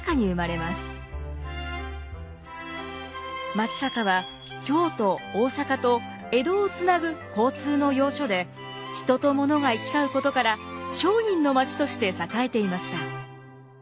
松坂は京都大坂と江戸をつなぐ交通の要所で人とものが行き交うことから商人の町として栄えていました。